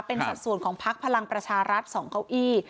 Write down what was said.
เป็นสัดส่วนของพักพลังประชารัฐ๒เก้าอี้